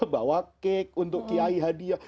bawa kek untuk kiai hadiah